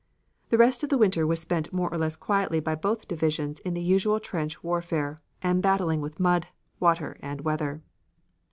The rest of the winter was spent more or less quietly by both divisions in the usual trench warfare, and battling with mud, water and weather.